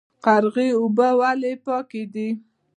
قرغې اوبه ولې پاکې دي؟